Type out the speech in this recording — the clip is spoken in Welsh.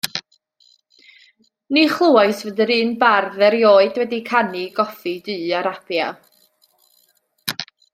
Ni chlywais fod yr un bardd erioed wedi canu i goffi du Arabia.